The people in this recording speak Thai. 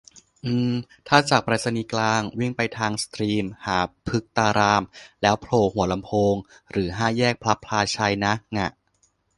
อืม ถ้าจากไปรษณีย์กลาง วิ่งไปทางสตรีมหาพฤตาราม แล้วโผล่หัวลำโพงหรือห้าแยกพลับพลาไชยนะ ง่ะ